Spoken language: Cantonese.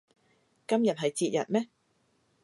今日係節日咩